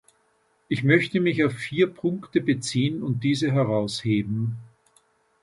Ich möchte mich auf vier Punkte beziehen und diese herausheben.